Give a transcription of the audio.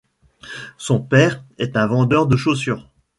Son père est un vendeur de chaussures.